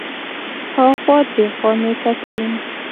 ها خوا دې خوا به مې کتل.